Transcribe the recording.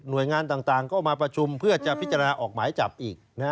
โดยงานต่างก็มาประชุมเพื่อจะพิจารณาออกหมายจับอีก